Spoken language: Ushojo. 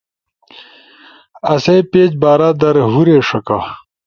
آسئی پیج بارا در ہورے ݜکا